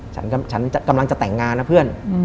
ฉันกำลังจะแต่งงานนะเพื่อน